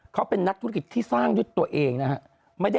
เขาเป็นนักธุรกิจที่สร้างด้วยตัวเองนะฮะ